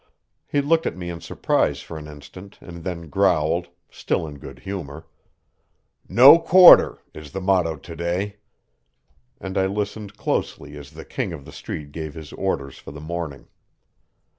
He looked at me in surprise for an instant and then growled, still in good humor: "'No quarter' is the motto to day." And I listened closely as the King of the Street gave his orders for the morning.